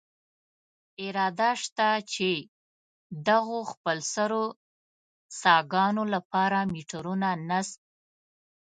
اراده شته، چې دغو خپلسرو څاګانو له پاره میټرونه نصب.